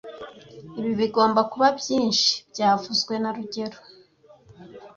Ibi bigomba kuba byinshi byavuzwe na rugero